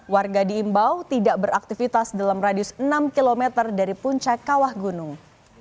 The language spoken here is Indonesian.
warga diimbau tidak beraktivitas dalam radius enam km dari puncak kawah gunung